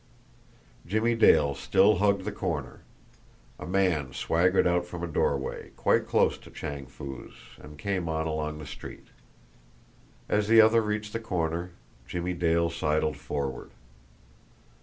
Jimmie Dale still hugged the corner. A man swaggered out from a doorway, quite close to Chang Foo's, and came on along the street. As the other reached the corner, Jimmie Dale sidled forward.